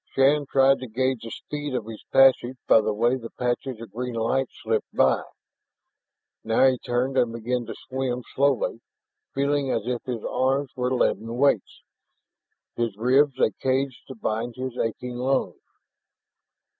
Shann tried to gauge the speed of his passage by the way the patches of green light slipped by. Now he turned and began to swim slowly, feeling as if his arms were leaden weights, his ribs a cage to bind his aching lungs.